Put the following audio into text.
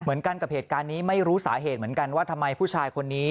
เหมือนกันกับเหตุการณ์นี้ไม่รู้สาเหตุเหมือนกันว่าทำไมผู้ชายคนนี้